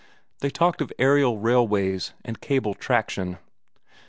They talked of aerial railways and cable traction.